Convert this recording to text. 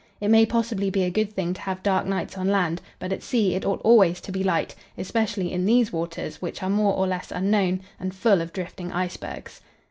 It may possibly be a good thing to have dark nights on land, but at sea it ought always to be light, especially in these waters, which are more or less unknown, and full of drifting icebergs.